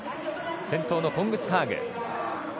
先頭のコングスハーグ。